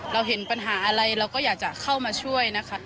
เราเห็นปัญหาอะไรเราก็อยากจะเข้ามาช่วยนะคะ